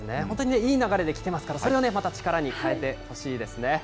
本当にいい流れで来ていますから、それを力に変えてほしいですね。